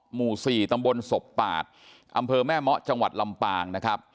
หมู่๔ตำบลศพปาดอำเภอแม่เมาะจังหวัดลำปางนะครับ